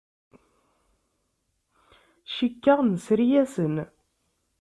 Cikkeɣ nesri-asen.